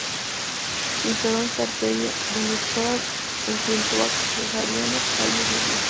Se instaló en Carteia, donde fue enfrentó al cesariano Cayo Didio.